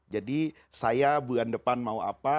jadi saya bulan depan mau apa